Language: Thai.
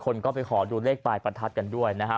คนก็ไปขอดูเลขปลายประทัดกันด้วยนะฮะ